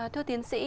thưa tiến sĩ